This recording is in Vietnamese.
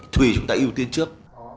thùy chúng ta ưu tiên trước